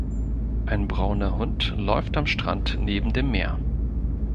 Ein brauner Hund läuft am Strand neben dem Meer.